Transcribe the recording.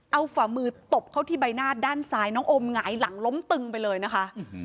เอาฝ่ามือตบเข้าที่ใบหน้าด้านซ้ายน้องโอมหงายหลังล้มตึงไปเลยนะคะ